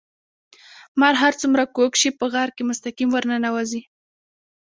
مار هر څومره کوږ شي په غار کې مستقيم ورننوزي.